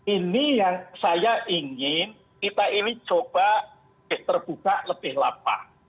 ini yang saya ingin kita ini coba terbuka lebih lapar